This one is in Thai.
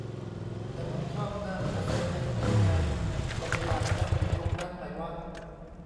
แต่มึงชอบนั่งกะแฟนในครัวไง~~ ก็ไม่อยากนั่งอยู่ตรงนั้นไหมวะ